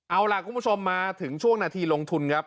เอาล่ะคุณผู้ชมมาถึงช่วงนาทีลงทุนครับ